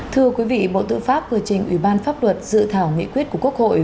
thưa quý vị bộ tư pháp vừa trình ủy ban pháp luật dự thảo nghị quyết của quốc hội